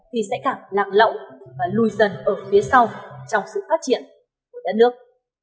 khi sẽ càng lạc lậu và lùi dần ở phía sau trong sự phát triển của đất nước